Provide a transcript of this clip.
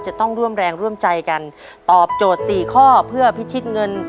จะต้องร่วมแรงร่วมใจกันตอบโจทย์สี่ข้อเพื่อพิชิตเงิน